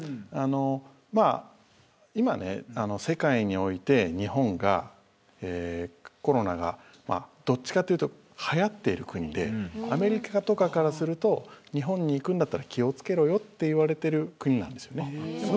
今ね、世界において日本がコロナがどっちかっていうとはやっている国でアメリカとかからすると日本に行くんだったら気を付けろよって言われている国なんですよね。